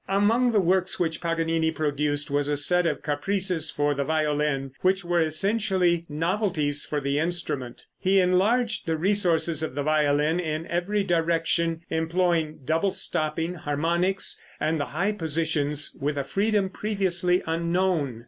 Among the works which Paganini produced was a set of caprices for the violin which were essentially novelties for the instrument. He enlarged the resources of the violin in every direction, employing double stopping, harmonics, and the high positions with a freedom previously unknown.